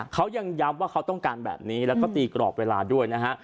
เขายังย้ำว่าเขาต้องการแบบนี้แล้วก็ตีกรอบเวลาด้วยนะฮะ